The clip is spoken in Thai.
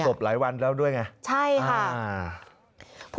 บหลายวันแล้วด้วยไงใช่ค่ะ